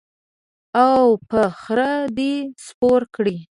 او په خره دې سپور کړي.